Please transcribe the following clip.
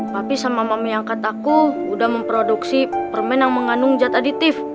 tapi sama mami angkat aku udah memproduksi permen yang mengandung zat aditif